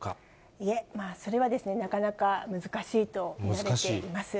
いえ、それはなかなか難しいと見られています。